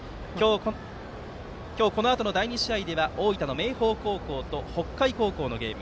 今日、このあとの第２試合では大分の明豊高校と北海高校のゲーム。